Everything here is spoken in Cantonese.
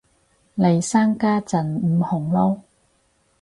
嚟生家陣唔紅嚕